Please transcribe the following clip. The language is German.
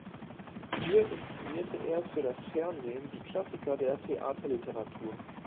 Hier inszenierte er für das Fernsehen die Klassiker der Theaterliteratur.